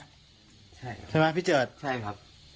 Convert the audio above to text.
ใช่ครับใช่ไหมพี่เจิดใช่ครับ